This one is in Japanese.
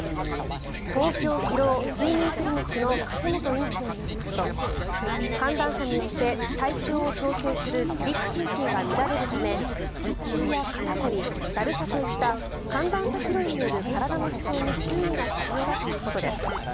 東京疲労・睡眠クリニックの梶本院長によりますと寒暖差によって、体調を調整する自律神経が乱れるため頭痛や肩凝り、だるさといった寒暖差疲労による体の不調に注意が必要だということです。